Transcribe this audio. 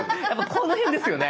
この辺ですよね。